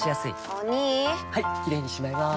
お兄はいキレイにしまいます！